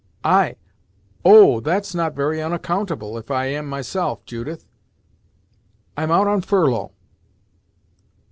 "I! Oh! That's not very onaccountable, if I am myself, Judith. I'm out on furlough."